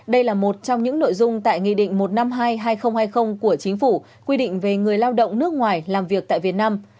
đây là một trong những nội dung tại nghị định một trăm năm mươi hai hai nghìn hai mươi của chính phủ quy định về người lao động nước ngoài làm việc tại việt nam